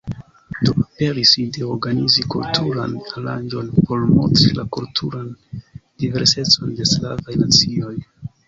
Do aperis ideo organizi kulturan aranĝon por montri la kulturan diversecon de slavaj nacioj.